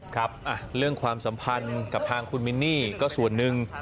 ครับเรื่องความสัมพันธ์กับทางคุณมินนี่ก็ส่วนหนึ่ง